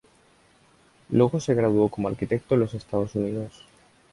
Luego se graduó como arquitecto en los Estados Unidos.